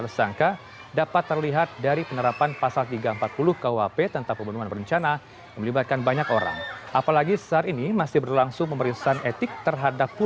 langkah langkah hukum yang akan ditempuh